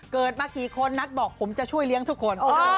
เกิดมากี่คนนัทบอกผมจะช่วยเลี้ยงทุกคน